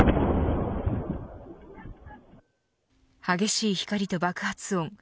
激しい光と爆発音。